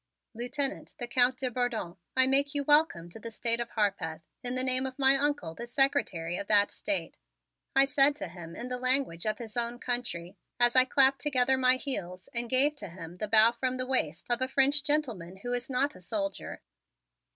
"Lieutenant, the Count de Bourdon, I make you welcome to the State of Harpeth, in the name of my Uncle, the Secretary of that State," I said to him in the language of his own country as I clapped together my heels and gave to him the bow from the waist of a French gentleman who is not a soldier.